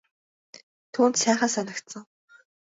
Түүнд сайхан санагдсан.